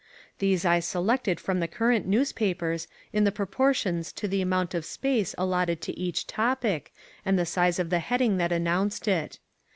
These I selected from the current newspapers in the proportions to the amount of space allotted to each topic and the size of the heading that announced it.